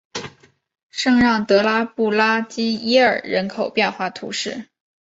圣让德拉布拉基耶尔人口变化图示